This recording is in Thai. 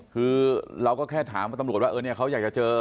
คือเราก็แค่ถามตำรวจว่าเขาอยากจะเจอ